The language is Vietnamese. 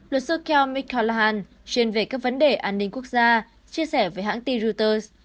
luật sư kel mcculloughan chuyên về các vấn đề an ninh quốc gia chia sẻ với hãng t reuters